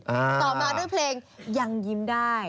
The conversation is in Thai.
ต่อมาด้วยเพลงยังยิ้มได้